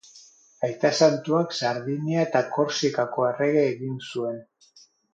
Aita Santuak Sardinia eta Korsikako errege egin zuen.